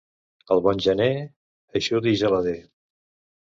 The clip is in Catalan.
El bon gener, eixut i gelader.